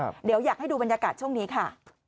เดี๋ยวอยากให้ดูบรรยากาศช่วงนี้ค่ะ